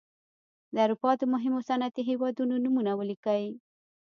د اروپا د مهمو صنعتي هېوادونو نومونه ولیکئ.